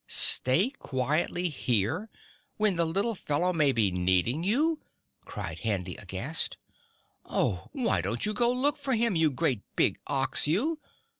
"Stay quietly here when the little fellow may be needing you!" cried Handy aghast. "Oh, why don't you go look for him, you great big OX you!